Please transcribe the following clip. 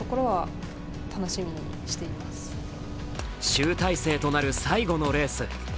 集大成となる最後のレース。